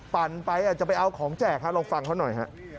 ปั่นไปอาจจะไปเอาของแจกลองฟังเขาหน่อยฮะ